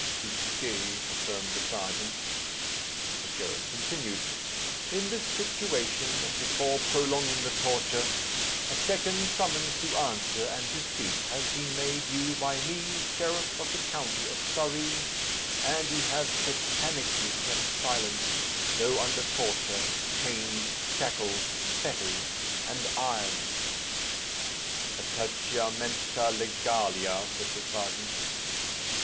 "Plusque," affirmed the serjeant. The sheriff continued, "In this situation, and before prolonging the torture, a second summons to answer and to speak has been made you by me, sheriff of the county of Surrey, and you have satanically kept silent, though under torture, chains, shackles, fetters, and irons." "Attachiamenta legalia," said the serjeant.